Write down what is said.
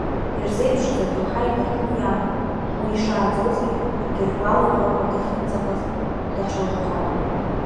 Ирзеиԥшыз адоуҳа еибаркны иаман, уи ишааӡозгьы, Гьыргәал Европа дахьынӡаҟаз даҽауаҩхон.